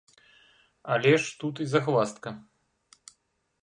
Але ж тут і загваздка!